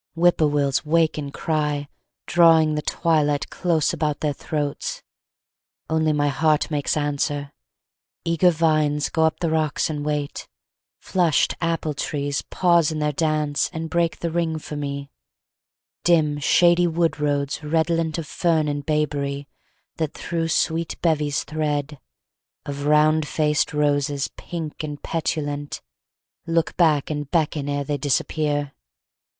Whip poor wills wake and cry, Drawing the twilight close about their throats. Only my heart makes answer. Eager vines Go up the rocks and wait; flushed apple trees Pause in their dance and break the ring for me; Dim, shady wood roads, redolent of fern And bayberry, that through sweet bevies thread Of round faced roses, pink and petulant, Look back and beckon ere they disappear.